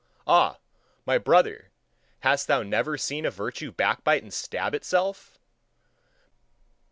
Ah! my brother, hast thou never seen a virtue backbite and stab itself?